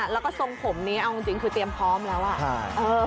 แล้วก็ทรงผมนี้เอาจริงคือเตรียมพร้อมแล้วอ่ะ